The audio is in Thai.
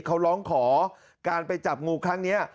เขาร้องขอการไปจับงูครั้งนี้